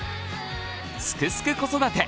「すくすく子育て」